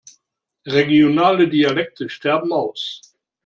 Regionale Dialekte sterben aus.